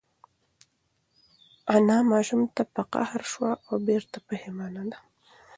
انا ماشوم ته په قهر شوه خو بېرته پښېمانه ده.